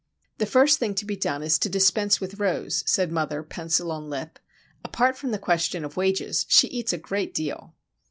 "The first thing to be done is to dispense with Rose," said mother, pencil on lip. "Apart from the question of wages, she eats a great deal!"